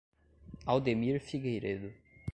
Aldemir Figueiredo